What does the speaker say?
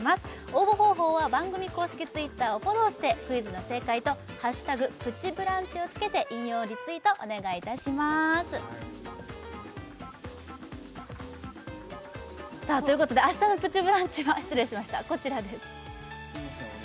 応募方法は番組公式Ｔｗｉｔｔｅｒをフォローしてクイズの正解と「＃プチブランチ」をつけて引用リツイートお願いいたしますさあということで明日の「プチブランチ」は失礼しましたこちらです